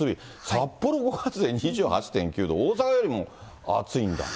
札幌５月で２８．９度、大阪よりも暑いんだ。